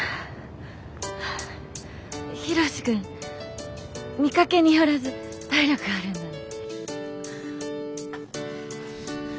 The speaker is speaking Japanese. ヒロシ君見かけによらず体力あるんだね。